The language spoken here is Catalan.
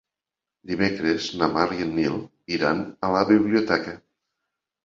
Dimecres na Mar i en Nil iran a la biblioteca.